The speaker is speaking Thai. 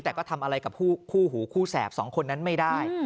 แต่ก็ทำอะไรกับคู่หูคู่แสบสองคนนั้นไม่ได้